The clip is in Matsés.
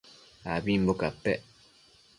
abimbo capec